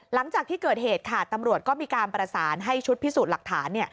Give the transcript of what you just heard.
หลังจากที่เกิดเหตุค่ะตำรวจก็มีการประสานให้ชุดพิสูจน์หลักฐาน